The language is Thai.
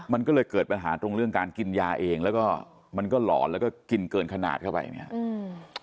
มันก็เลยเกิดปัญหาตรงเรื่องการกินยาเองแล้วก็มันก็หลอนแล้วก็กินเกินขนาดเข้าไปเนี่ย